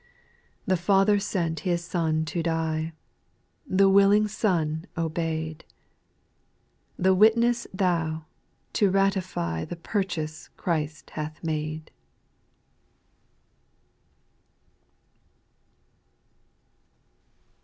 7. The Father sent His Son to die ; The willing Son obeyed ; The Witness Thou, to ratify The purchase Christ hath made.